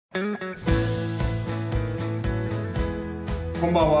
こんばんは。